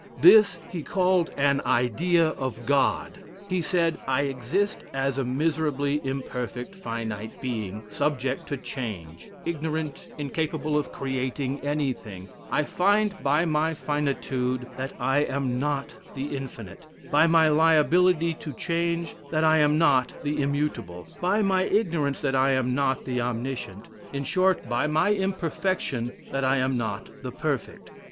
This he called an idea of God: he said, "I exist as a miserably imperfect finite being, subject to change ignorant, incapable of creating anything I find by my finitude that I am not the infinite; by my liability to change that I am not the immutable; by my ignorance that I am not the omniscient: in short, by my imperfection, that I am not the perfect.